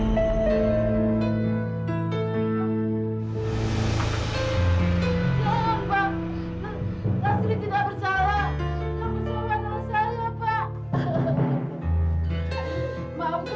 tidak bersalah adalah saya pak